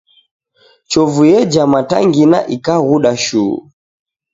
Chovu yeja matangina ikaghuda shuu.